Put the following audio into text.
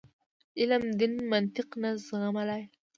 علم دین منطق نه زغملای.